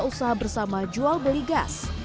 usaha bersama jual beli gas